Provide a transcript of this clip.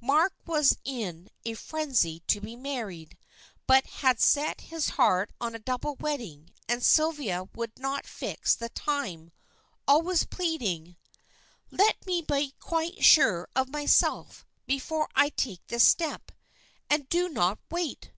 Mark was in a frenzy to be married, but had set his heart on a double wedding, and Sylvia would not fix the time, always pleading "Let me be quite sure of myself before I take this step, and do not wait."